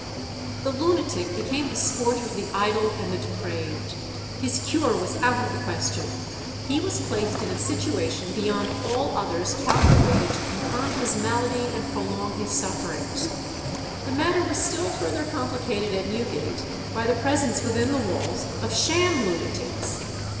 The lunatic became the sport of the idle and the depraved. His cure was out of the question; he was placed in a situation "beyond all others calculated to confirm his malady and prolong his sufferings." The matter was still further complicated at Newgate by the presence within the walls of sham lunatics.